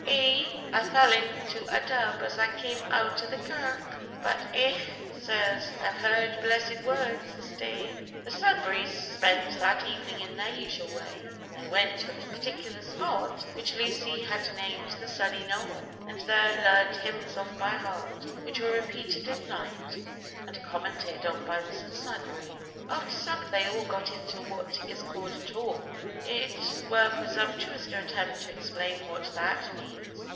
"Ay, I fell into a dub as I cam out o' the kirk. But, ech! sirs, I've heard blessed words this day." The Sudberrys spent that evening in their usual way. They went to a particular spot, which Lucy had named the Sunny Knoll, and there learned hymns off by heart, which were repeated at night, and commented on by Mr Sudberry. After supper they all got into what is called "a talk." It were presumptuous to attempt to explain what that means.